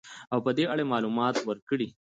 او په اړه يې معلومات ورکړي .